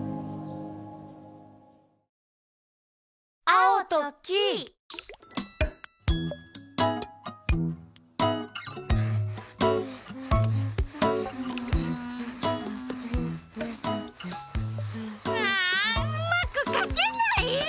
ああうまくかけない！